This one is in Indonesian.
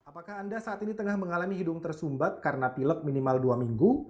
apakah anda saat ini tengah mengalami hidung tersumbat karena pilek minimal dua minggu